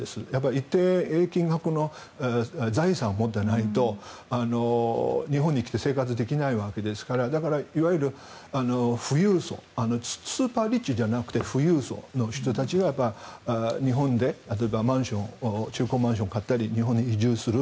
一定金額の財産を持っていないと日本に来て生活できないわけですからだからいわゆる富裕層スーパーリッチじゃなくて富裕層の人たちが日本で中古マンションを買ったり日本に移住する。